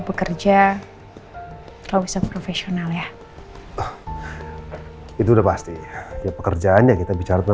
bekerja kalau bisa profesional ya itu udah pasti ya pekerjaannya kita bicara